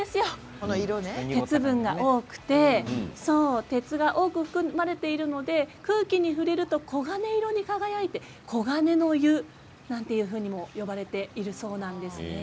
この色、鉄分が多くて鉄が多く含まれているので空気に触れると黄金色に輝いて黄金の湯というふうにも言われています。